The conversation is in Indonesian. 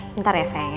bentar ya sayang ya